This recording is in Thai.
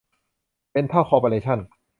เดนทัล คอร์ปอเรชั่น